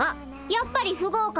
やっぱり不合格。